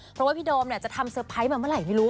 เพราะว่าพี่โดมจะทำเตอร์ไพรส์มาเมื่อไหร่ไม่รู้